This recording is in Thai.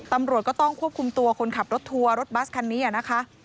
ตำรวจก็ต้องควบคุมตัวคนขับรถทัวร์รถบัสคันนี้นะคะ